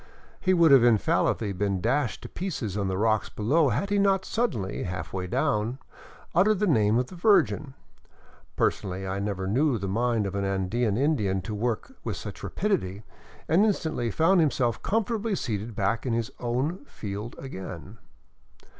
He would infallibly have been dashed to pieces on the rocks below, had he not suddenly, halfway down, uttered the name of the Virgin — personally I never knew the mind of an Andean Indian to work with such rapidity — and instantly found himself comfortably seated back in his own field again.